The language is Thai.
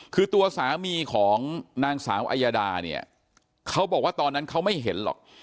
คือตัวสามีของนางสาวอายาดาเนี่ยเขาบอกว่าตอนนั้นเขาไม่เห็นหรอก